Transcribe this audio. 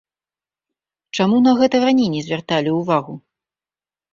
Чаму на гэта раней не звярталі ўвагу?